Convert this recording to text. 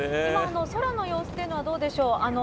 空の様子というのはどうでしょう。